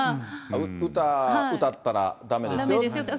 歌、歌ったらだめですよとか。